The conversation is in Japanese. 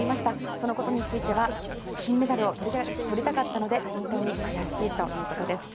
そのことについては金メダルを取りたかったので本当に悔しいということです。